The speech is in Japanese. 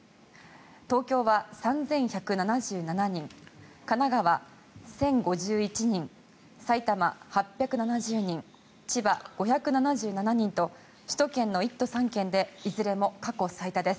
東京は３１７７人神奈川、１０５１人埼玉、８７０人千葉、５７７人と首都圏の１都３県でいずれも過去最多です。